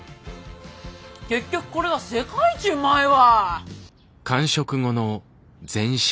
結局これが世界一うまいわ。